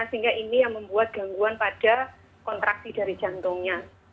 sehingga ini yang membuat gangguan pada kontraksi dari jantungnya